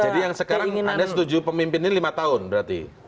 jadi yang sekarang anda setuju pemimpinnya lima tahun berarti